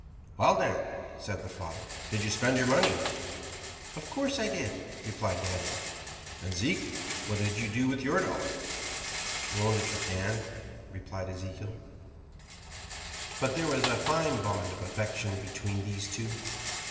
"Well, Dan," said the father, "did you spend your money?" "Of course I did," replied Daniel. "And, Zeke, what did you do with your dollar?" "Loaned it to Dan," replied Ezekiel. But there was a fine bond of affection between these two.